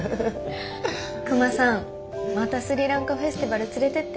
クマさんまたスリランカフェスティバル連れてって。